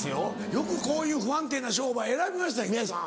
よくこういう不安定な商売選びましたね宮治さん。